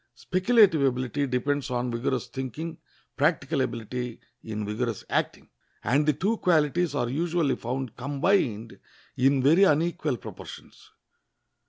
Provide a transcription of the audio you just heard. Speculative ability depends on vigorous thinking, practical ability in vigorous acting, and the two qualities are usually found combined in very unequal proportions.